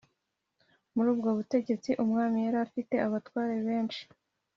muri ubwo butegetsi, umwami yari afite abatware benshi